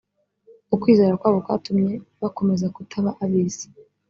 ukwizera kwabo kwatumye bakomeza kutaba ab’isi